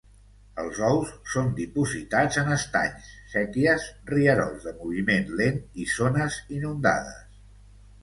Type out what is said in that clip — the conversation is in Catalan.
Els ous són dipositats en estanys, séquies, rierols de moviment lent i zones inundades.